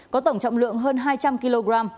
có tổng trọng lượng hơn hai trăm linh kg